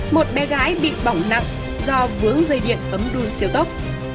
một bé gái bị bỏng nặng do vướng dây điện ấm đuôi siêu tốc